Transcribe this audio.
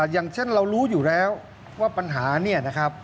อย่างเช่นเรารู้อยู่แล้วว่าปัญหานี้